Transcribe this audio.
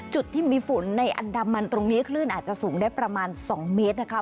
จุดที่มีฝนในอันดามันตรงนี้คลื่นอาจจะสูงได้ประมาณ๒เมตรนะคะ